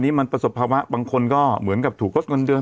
ทำงานครบ๒๐ปีได้เงินชดเฉยเลิกจ้างไม่น้อยกว่า๔๐๐วัน